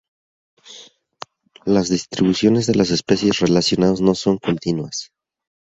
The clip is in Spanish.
Las distribuciones de las especies relacionadas no son continuas.